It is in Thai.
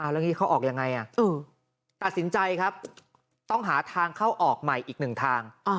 แล้วอย่างนี้เขาออกยังไงตัดสินใจครับต้องหาทางเข้าออกใหม่อีกหนึ่งทาง